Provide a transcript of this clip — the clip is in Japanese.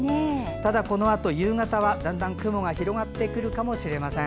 ただ、このあと夕方はだんだん雲が広がってくるかもしれません。